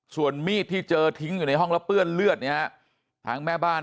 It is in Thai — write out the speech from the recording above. ส่วนมีดที่เจอทิ้งอยู่ในห้องแล้วเปื้อนเลือดเนี่ยทางแม่บ้าน